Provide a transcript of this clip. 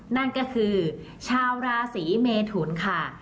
นั่นก็คือชาวราศีเมทุนค่ะ